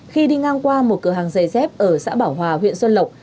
khi đi ngang qua một cửa hàng giày dép ở xã bảo hòa huyện xuân lộc